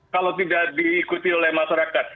kalau tidak diikuti oleh masyarakat